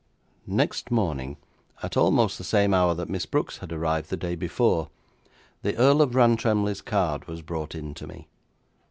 Next morning, at almost the same hour that Miss Brooks had arrived the day before, the Earl of Rantremly's card was brought in to me.